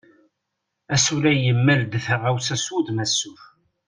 Asulay yemmal-d taɣawsa s wudem asuf.